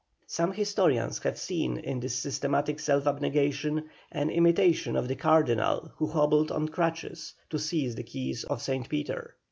Some historians have seen in this systematic self abnegation, an imitation of the Cardinal who hobbled on crutches to seize the keys of Saint Peter.